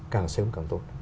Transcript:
càng sớm càng tốt